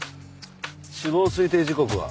死亡推定時刻は？